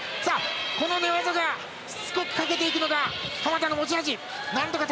この寝技をしつこくかけていくのが濱田の持ち味。